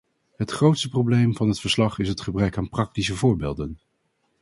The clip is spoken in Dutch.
Het grootste probleem van het verslag is het gebrek aan praktische voorbeelden.